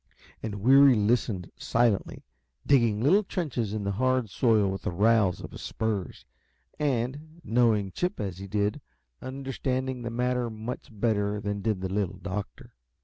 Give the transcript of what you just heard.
And Weary listened silently, digging little trenches in the hard soil with the rowels of his spurs, and, knowing Chip as he did, understanding the matter much better than did the Little Doctor.